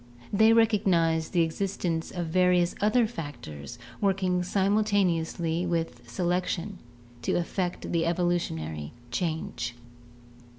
They recognize the existence of various other factors working simultaneously with selection to effect the evolutionary change.